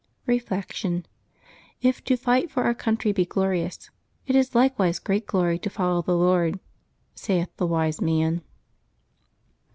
Reflection. — If to fight for our country be glorious, " it is likewise great glory to follow the Lord,'' saith the Wise Man.